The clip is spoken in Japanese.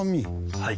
はい。